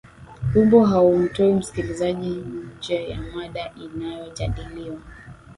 wimbo haumtoi msikilizaji nje ya mada inayojadiliwa